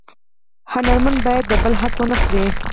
هنرمن باید د بل حق ونه خوري